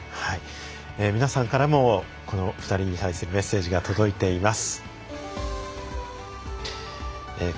皆さんからもこの２人に対するメッセージが届いています。